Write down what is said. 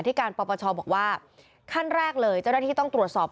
การปปชบอกว่าขั้นแรกเลยเจ้าหน้าที่ต้องตรวจสอบ